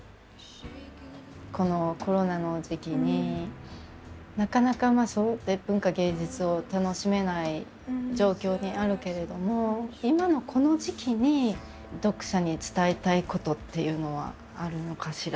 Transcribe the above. このコロナの時期になかなかそろって文化芸術を楽しめない状況にあるけれども今のこの時期に読者に伝えたいことっていうのはあるのかしら？